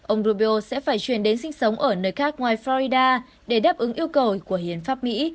ông rubio sẽ phải chuyển đến sinh sống ở nơi khác ngoài florida để đáp ứng yêu cầu của hiến pháp mỹ